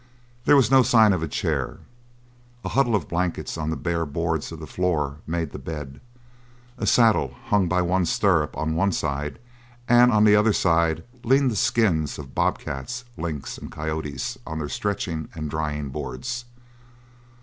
There was no sign of a chair; a huddle of blankets on the bare boards of the floor made the bed; a saddle hung by one stirrup on one side and on the other side leaned the skins of bob cats, lynx, and coyotes on their stretching and drying boards.